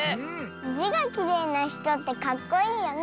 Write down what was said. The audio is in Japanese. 「じ」がきれいなひとってかっこいいよね。